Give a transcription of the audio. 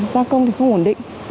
gia công thì không ổn định